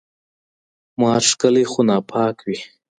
مار ښکلی خو ناپاک وي